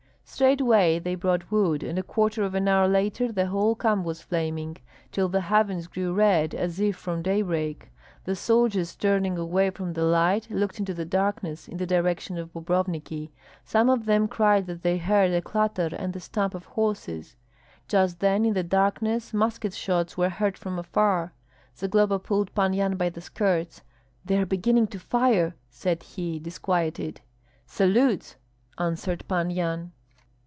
Straightway they brought wood, and a quarter of an hour later the whole camp was flaming, till the heavens grew red as if from daybreak. The soldiers, turning away from the light, looked into the darkness in the direction of Bobrovniki. Some of them cried that they heard a clatter and the stamp of horses. Just then in the darkness musket shots were heard from afar. Zagloba pulled Pan Yan by the skirts. "They are beginning to fire!" said he, disquieted. "Salutes!" answered Pan Yan.